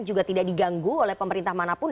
juga tidak diganggu oleh pemerintah manapun